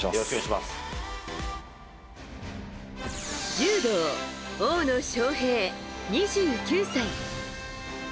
柔道・大野将平、２９歳。